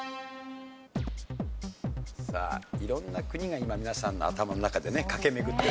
さあ色んな国が今皆さんの頭の中でね駆け巡ってるかと思います。